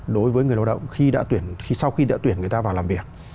đối với người lao động sau khi đã tuyển người ta vào làm việc